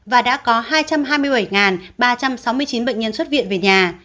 và đã có hai trăm hai mươi bảy ba trăm sáu mươi chín bệnh nhân xuất viện về nhà